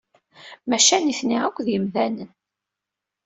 Maca nitni akk d imdanen.